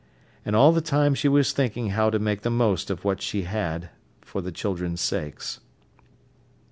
And all the time she was thinking how to make the most of what she had, for the children's sakes.